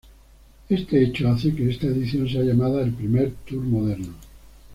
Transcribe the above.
Este hecho hace que esta edición sea llamada el primer Tour moderno.